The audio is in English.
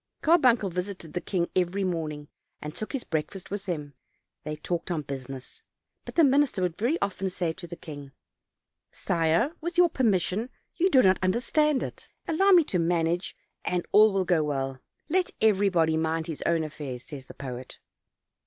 Carbuncle visited the king every morning, and took 244 OLD, OLD FAIR7 TALES. his breakfast with him; they talked on business, but the minister would very often say to the king: ''Sire, with your permission, you do not understand it; allow me to manage and all will go well; 'let everybody mind his own affairs/ says the poet."